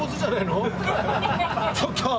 ちょっと！